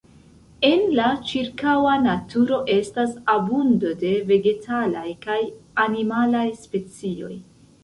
En la ĉirkaŭa naturo estas abundo de vegetalaj kaj animalaj specioj.